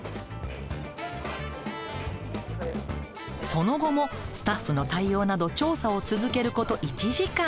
その後もスタッフの対応など調査を続けること１時間。